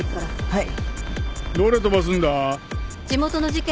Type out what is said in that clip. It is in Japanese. はい。